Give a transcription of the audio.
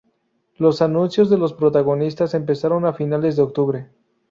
Los anuncios de los protagonistas empezaron a finales de octubre.